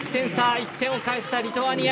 １点を返したリトアニア。